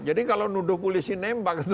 jadi kalau nuduh polisi nembak itu